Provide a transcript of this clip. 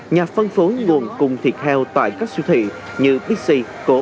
nhà phân phối nguồn cùng thịt heo tại các siêu thị